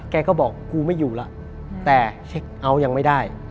แกก็บอกกูไม่อยู่แล้วแต่เช็คเอาท์ยังไม่ได้